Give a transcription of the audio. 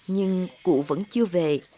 nhưng cụ vẫn chưa về